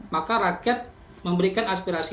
maka rakyat memberikan aspirasi